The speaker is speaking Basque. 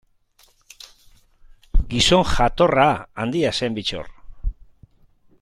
Gizon jatorra, handia zen Bittor.